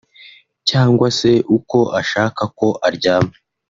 cyangwa se uko ashaka ko aryama